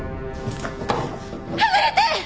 離れて！